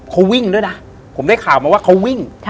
เขาวิ่งด้วยนะผมได้ข่าวมาว่าเขาวิ่ง